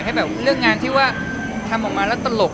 ให้แบบเรื่องงานที่ว่าทำออกมาแล้วตลก